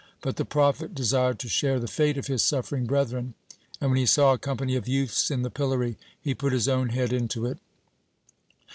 But the prophet desired to share the fate of his suffering brethren, and when he saw a company of youths in the pillory, he put his own head into it.